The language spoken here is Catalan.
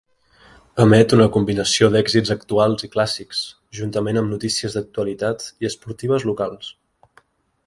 Emet una combinació d'èxits actuals i clàssics, juntament amb notícies d'actualitat i esportives locals.